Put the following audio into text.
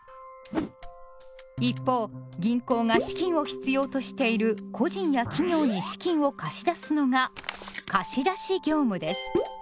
一方銀行が資金を必要としている個人や企業に資金を貸し出すのが「貸出業務」です。